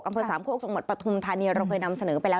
กำเภอสามโคกสมมติประทุนธานียะเราเคยนำเสนอไปแล้ว